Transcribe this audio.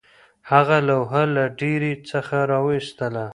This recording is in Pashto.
هغې لوحه له ډیرۍ څخه راویستله